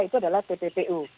itu adalah pppu